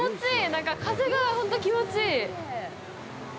なんか風が本当、気持ちいい。